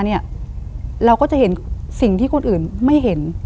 เราก็จะเห็นสิ่งที่คนอื่นไม่เห็น